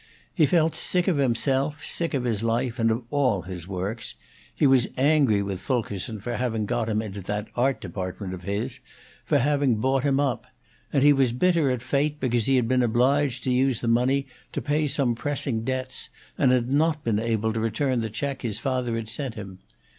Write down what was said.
He felt sick of himself, sick of his life and of all his works. He was angry with Fulkerson for having got him into that art department of his, for having bought him up; and he was bitter at fate because he had been obliged to use the money to pay some pressing debts, and had not been able to return the check his father had sent him.